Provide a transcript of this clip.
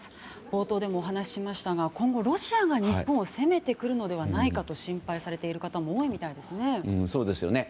冒頭でもお話ししましたが今後、ロシアが日本を攻めてくるのではないかと心配されている方も多いみたいですね。